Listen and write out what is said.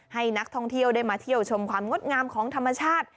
ให้นักท่องเที่ยวได้มาเที่ยวชมความงดงามของธรรมชาติ